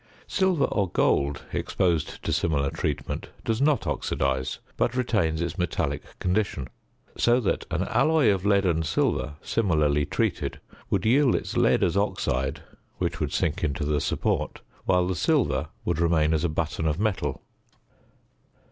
Silver or gold exposed to similar treatment does not oxidise, but retains its metallic condition; so that an alloy of lead and silver similarly treated would yield its lead as oxide, which would sink into the support, while the silver would remain as a button of metal.